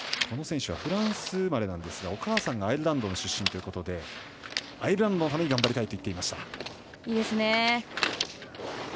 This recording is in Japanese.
この選手はフランス生まれなんですがお母さんがアイルランドの出身ということでアイルランドのために頑張りたいと言ってました。